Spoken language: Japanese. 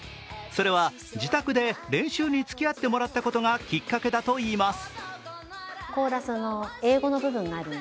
それは、自宅で練習につきあってもらったことがきっけだといいます。